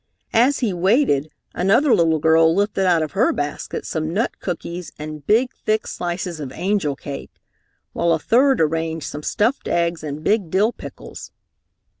As he waited another little girl lifted out of her basket some nut cookies and big, thick slices of angel cake, while a third arranged some stuffed eggs and big dill pickles.